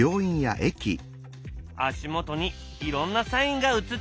足元にいろんなサインが映っているね。